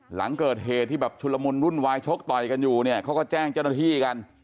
หลังเกิดเหตุที่แบบชุลมุนวุ่นวายชกต่อยกันอยู่เนี่ยเขาก็แจ้งเจ้าหน้าที่กัน